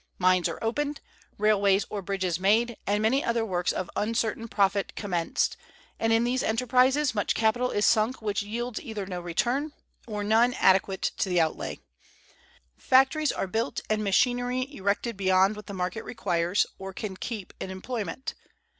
Mines are opened, railways or bridges made, and many other works of uncertain profit commenced, and in these enterprises much capital is sunk which yields either no return, or none adequate to the outlay. Factories are built and machinery erected beyond what the market requires, or can keep in employment.